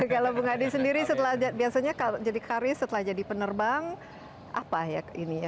kalau bung adi sendiri setelah biasanya kalau jadi karir setelah jadi penerbang apa ya ini ya